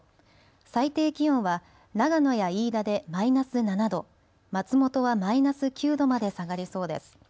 最低気温は長野や飯田でマイナス７度、松本はマイナス９度まで下がりそうです。